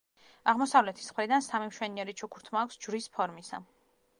აღმოსავლეთის მხრიდან სამი მშვენიერი ჩუქურთმა აქვს ჯვრის ფორმისა.